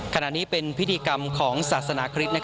ขณะนี้เป็นพิธีกรรมของศาสนาคริสต์